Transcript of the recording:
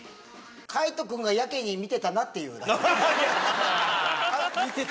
海人君がやけに見てたなっていうぐらい。